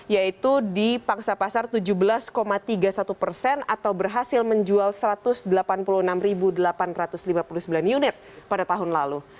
yaitu di pangsa pasar tujuh belas tiga puluh satu persen atau berhasil menjual satu ratus delapan puluh enam delapan ratus lima puluh sembilan unit pada tahun lalu